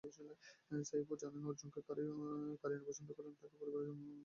সাইফও জানেন অর্জুনকে কারিনা পছন্দ করেন, তাঁকে পরিবারে একজনই মনে করেন।